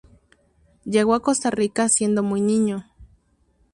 Llegó a Costa Rica siendo muy niño.